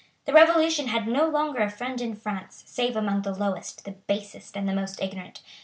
The Revolution had no longer a friend in France, save among the lowest, the basest, and the most ignorant.